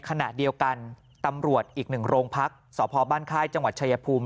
ขณะเดียวกันตำรวจอีกหนึ่งโรงพักสพบ้านค่ายจังหวัดชายภูมิ